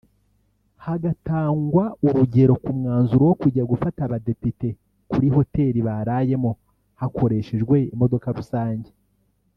hagatangwa urugero ku mwanzuro wo kujya gufata abadepite kuri hoteli barayemo hakoreshejwe imodoka rusange